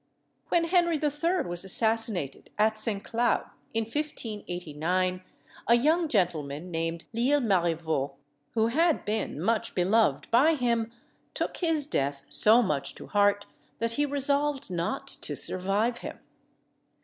When Henry III. was assassinated at St. Cloud in 1589, a young gentleman, named L'Isle Marivaut, who had been much beloved by him, took his death so much to heart, that he resolved not to survive him.